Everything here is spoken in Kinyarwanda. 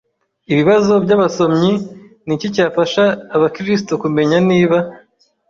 Ibibazo by abasomyi Ni iki cyafasha Abakristo kumenya niba